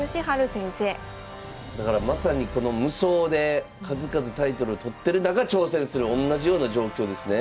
だからまさに無双で数々タイトルを取ってる中挑戦するおんなじような状況ですね。